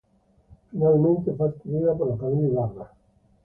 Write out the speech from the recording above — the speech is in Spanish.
Finalmente fue adquirida por la familia Ybarra.